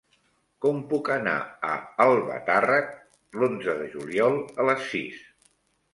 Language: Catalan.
Com puc anar a Albatàrrec l'onze de juliol a les sis?